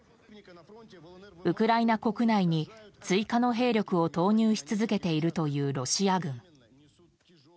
ウクライナ国内に追加の兵力を投入し続けているというロシア軍。